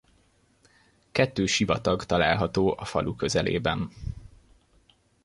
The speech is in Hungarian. Kettő sivatag található a falu közelében.